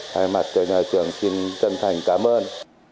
thay mặt cho nhà trường xin chân thành cảm ơn